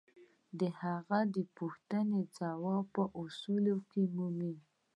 د هغه د دې پوښتنې ځواب به په اصولو کې ومومئ.